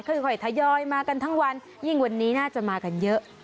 ค่อยทยอยมากันทั้งวันยิ่งวันนี้น่าจะมากันเยอะ